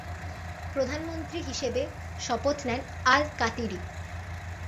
প্রধানমন্ত্রী হিসাবে শপথ নেন আল কাতিরি।